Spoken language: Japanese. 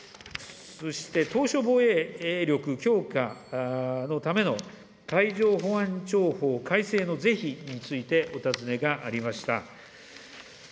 そして、島しょ防衛力強化のための海上保安庁法改正の是非についてお尋ねがありました。